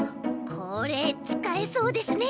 これつかえそうですね。